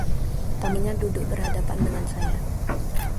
Tamunya duduk berhadapan dengan saya.